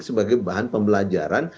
sebagai bahan pembelajaran